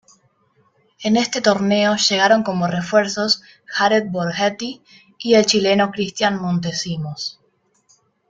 En este torneo llegaron como refuerzos Jared Borgetti y el chileno Cristián Montecinos.